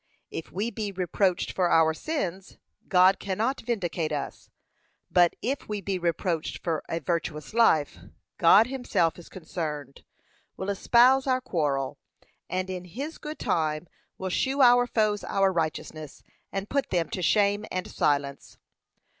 If we be reproached for our sins, God cannot vindicate us; but if we be reproached for a virtuous life, God himself is concerned, will espouse our quarrel, and, in his good time, will shew our foes our righteousness, and put them to shame and silence.